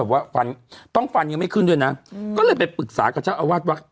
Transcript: ว่าฟันต้องฟันยังไม่ขึ้นด้วยนะก็เลยไปปรึกษากับเจ้าอาวาสวัด